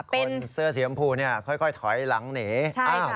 คนเสื้อเสียมพูค่อยถอยหลังเหน๋